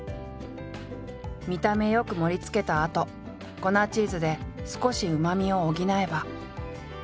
見た目良く盛りつけたあと粉チーズで少しうまみを補えば。